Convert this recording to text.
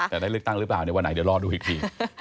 แต่ได้เลือกตั้งหรือเปล่าในวันไหนเดี๋ยวรอดูอีกที